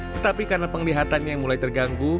tetapi karena penglihatannya yang mulai terganggu